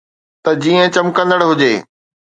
ته جيئن چمڪندڙ هجي.